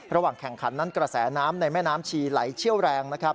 ระหว่างแข่งขันนั้นกระแสน้ำในแม่น้ำชีไหลเชี่ยวแรงนะครับ